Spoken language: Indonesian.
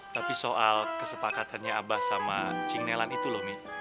tapi soal kesepakatannya abah sama ching nelan itu loh mi